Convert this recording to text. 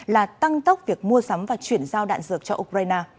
là tăng tốc việc mua sắm và chuyển giao đạn dược cho ukraine